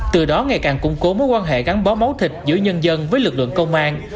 từ đó ngày càng củng cố mối quan hệ gắn bó máu thịt giữa nhân dân với lực lượng công an